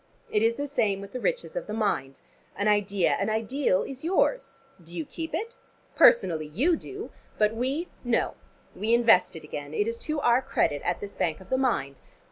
It is the same with the riches of the mind. An idea, an ideal is yours. Do you keep it? Personally you do. But we, no. We invest it again. It is to our credit, at this bank of the mind.